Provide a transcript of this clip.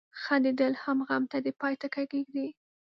• خندېدل هر غم ته د پای ټکی ږدي.